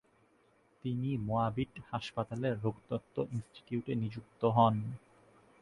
তিনি মোয়াবিট হাসপাতালের রোগতত্ত্ব ইনস্টিটিউটে নিযুক্ত হন।